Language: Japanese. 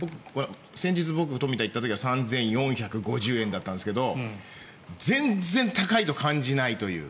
先日僕、とみ田に行った時は３４５０円だったんですけど全然高いと感じないという。